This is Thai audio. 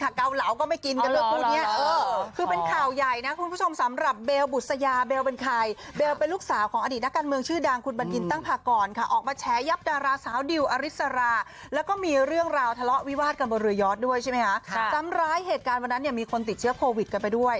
เดี๋ยวก่อนนี้อันนี้ไม่ใช่ฟูจินใช่ไหม